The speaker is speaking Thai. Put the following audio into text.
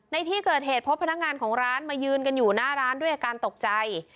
ในที่เกิดเหตุพบพนักงานของร้านมายืนกันอยู่หน้าร้านด้วยอาการตกใจ